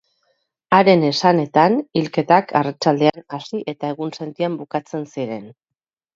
Haren esanetan, hilketak arratsaldean hasi eta egunsentian bukatzen ziren.